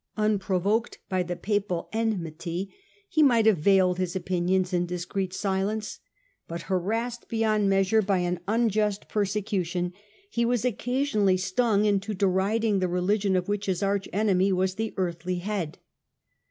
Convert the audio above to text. Unprovoked by the Papal enmity, he might have veiled his opinions in discreet silence ; but harassed beyond measure by an unjust persecution, he was occasionally stung into deriding the religion of which his arch enemy was the earthly head.